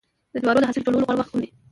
د جوارو د حاصل ټولولو غوره وخت کوم دی؟